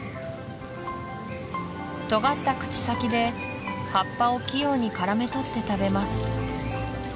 とがった口先で葉っぱを器用に絡め取って食べます